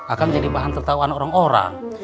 akang jadi bahan tertawa orang orang